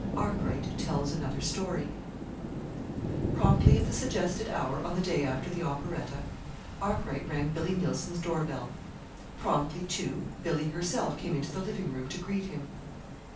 ARKWRIGHT TELLS ANOTHER STORY Promptly at the suggested hour on the day after the operetta, Arkwright rang Billy Neilson's doorbell. Promptly, too, Billy herself came into the living room to greet him.